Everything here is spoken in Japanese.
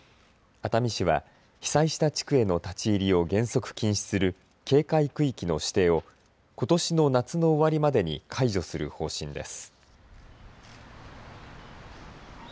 熱海市は被災した地区への立ち入りを原則禁止する警戒区域の指定をことしの夏の終わりまでに解除する方針です。